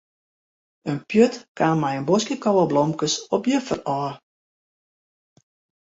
It pjut kaam mei in boskje koweblomkes op juffer ôf.